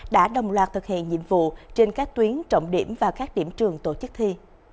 đã đồng loạt thực hiện nhiệm vụ trên các tuyến trọng điểm và các điểm trường tổ chức thi